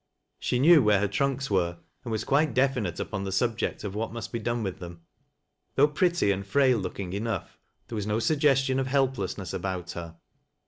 She knew where her trunks were, and was quite definite upon the sxibject of what must be done with them. Though pretty and frail looking enough, there was no suggestion of helpless ness about her.